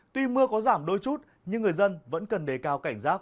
tuy mưa có giảm đôi chút nhưng người dân vẫn cần đề cao cảnh giác